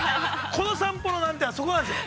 この散歩の難点はそこなんですよ。